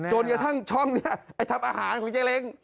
จนยังท่านช่องเนี้ยทำอาหารของเจเล้ง